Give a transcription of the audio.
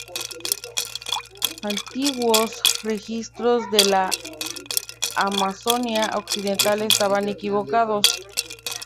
Antiguos registros de la Amazonia occidental estaban equivocados.